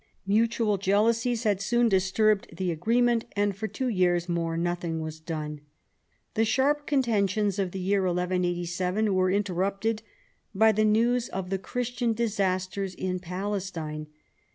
Mutual jealousies had soon disturbed the agreement, and for two years more nothing was done. The sharp contentions of the year 1187 were inter rupted by the news of the Christian disasters in Palestine.